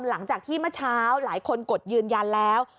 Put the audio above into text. หลังจากที่เมื่อเช้าหลายคนกดยืนยันแล้ว